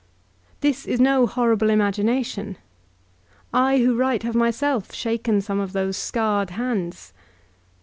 This is no horrible im agination. I who write have myself shaken some of those scarred hands.